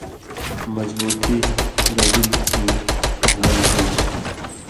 مضبُوطی ہِن گنڈِلیۡ کھیں گھال جُوڑ ہوتھی۔